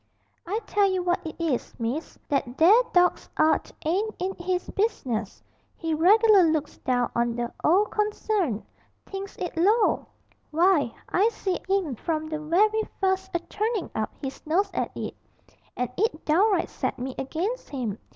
'I tell you what it is, miss: that there dawg's 'art ain't in his business he reg'lar looks down on the 'ole concern, thinks it low! Why, I see 'im from the werry fust a turnin' up his nose at it, and it downright set me against him.